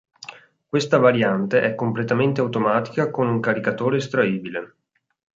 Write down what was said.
Questa variante è completamente automatica con un caricatore estraibile.